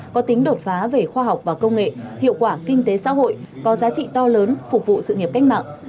có tính đột phá về khoa học và công nghệ hiệu quả kinh tế xã hội có giá trị to lớn phục vụ sự nghiệp cách mạng